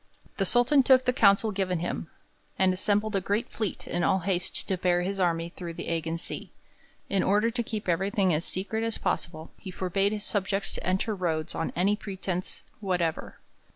The Sultan took the counsel given him, and assembled a great fleet in all haste to bear his army through the Ægean Sea. In order to keep everything as secret as possible, he forbade his subjects to enter Rhodes on any pretence whatever.